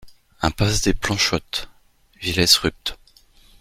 Impasse des Planchottes, Vy-lès-Rupt